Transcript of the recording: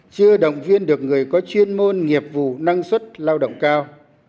chưa động viên được người có chuyên môn nghiệp vụ năng suất lao động cao